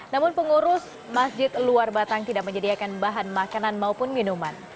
namun pengurus masjid luar batang tidak menyediakan bahan makanan maupun minuman